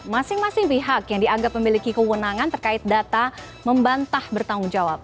masing masing pihak yang dianggap memiliki kewenangan terkait data membantah bertanggung jawab